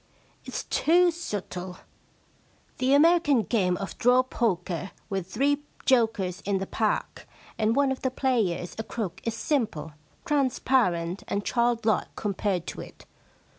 * It*s too subtle. The American game of draw poker, with three jokers in the pack and one of the players a crook, is simple, transparent, and childlike compared to it.